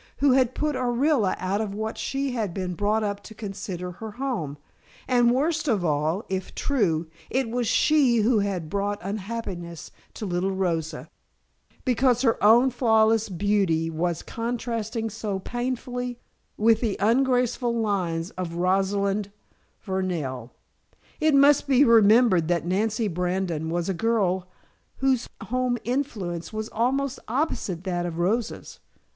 Who had put Orilla out of what she had been brought up to consider her home, and worst of all, if true, it was she who had brought unhappiness to little Rosa, because her own flawless beauty was contrasting so painfully with the ungraceful lines of Rosalind Fernell. It must be remembered that Nancy Brandon was a girl whose home influence was almost opposite that of Rosa's.